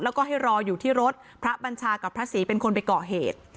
แล้วก็ให้รออยู่ที่รถพระบัญชากับพระศรีเป็นคนไปก่อเหตุ